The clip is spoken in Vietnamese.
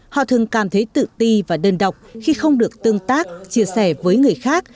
họ thường cảm thấy tự ti và đơn đọc khi không được tương tác chia sẻ với người khác